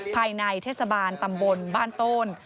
ภายในเทศบาลตำบลบ้านโตน